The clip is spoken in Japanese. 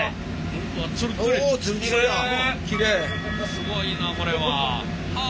すごいなこれは。はあ。